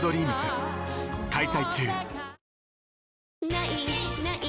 「ない！ない！